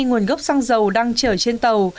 nguồn gốc xăng dầu đang chở trên tàu